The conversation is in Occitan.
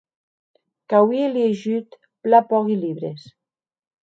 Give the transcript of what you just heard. Qu’auie liejut plan pòqui libres.